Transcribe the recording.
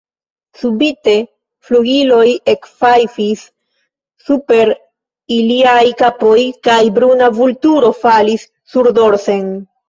Subite flugiloj ekfajfis super iliaj kapoj, kaj bruna vulturo falis surdorsen.